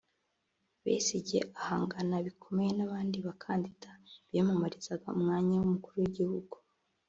Besigye ahangana bikomeye n’abandi ba kandida biyamamarizaga umwanya w’Umukuru w’igihugu